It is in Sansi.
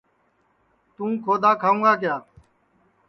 توں کھودؔا کھاوں گا کیا